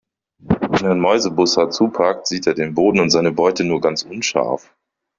Wenn ein Mäusebussard zupackt, sieht er den Boden und seine Beute nur ganz unscharf.